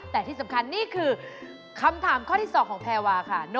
แต่ที่สำคัญนี่คือคำถามข้อที่๒ของแพรวาค่ะ